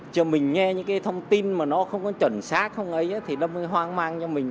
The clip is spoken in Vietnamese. chứ mình nghe những cái thông tin mà nó không có chuẩn xác không ấy thì nó mới hoang mang cho mình